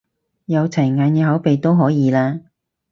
有齊眼耳口鼻都可以啦？